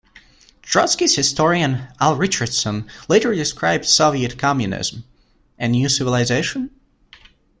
Trotskyist historian Al Richardson later described Soviet Communism: A New Civilization?